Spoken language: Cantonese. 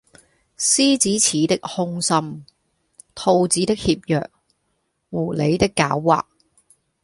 獅子似的凶心，兔子的怯弱，狐狸的狡猾，……